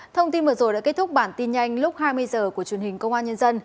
thông tin vừa rồi đã kết thúc bản tin nhanh lúc hai mươi h của truyền hình công an nhân dân